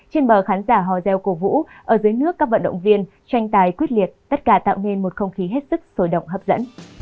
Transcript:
trên bờ khán giả hò reo cổ vũ ở dưới nước các vận động viên tranh tài quyết liệt tất cả tạo nên một không khí hết sức sôi động hấp dẫn